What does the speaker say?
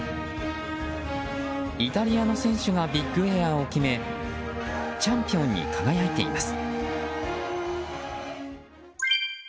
イタリアの選手がビッグエアを決めチャンピオンに輝いています。